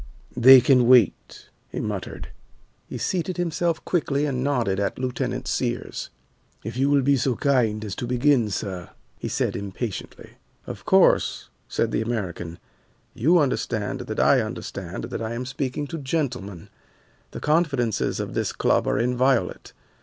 "They can wait," he muttered. He seated himself quickly and nodded at Lieutenant Sears. "If you will be so kind as to begin, sir," he said impatiently. "Of course," said the American, "you understand that I understand that I am speaking to gentlemen. The confidences of this Club are inviolate.